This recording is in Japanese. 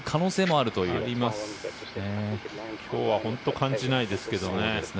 あります、今日は本当に感じないですけどね。